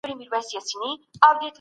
موږ له ډېر وخت راهيسي د هوسايني هڅه کوو.